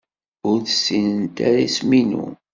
Ur ssinent ara isem-inu.